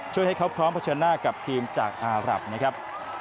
ให้เขาพร้อมเผชิญหน้ากับทีมจากอารับนะครับ